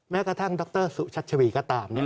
แม้กระทั่งดรสุชัชวีก็ตาม